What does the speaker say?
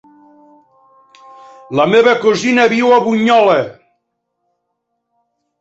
La meva cosina viu a Bunyola.